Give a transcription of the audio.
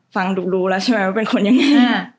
ฟังดูแล้วใช่ไหมว่าเป็นคนยังไง